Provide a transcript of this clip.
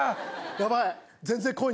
ヤバい。